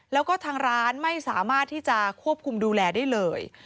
แล้วก็ทางร้านไม่สามารถที่จะควบคุมดูแลได้เลย